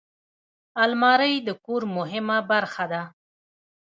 الماري د کور مهمه برخه ده